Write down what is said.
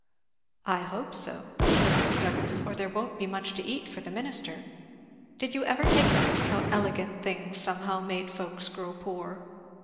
"I hope so," said Mrs. Douglass, "or there won't be much to eat for the minister. Did you never take notice how elegant things somehow made folks grow poor?"